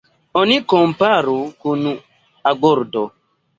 Oni komparu kun agordo.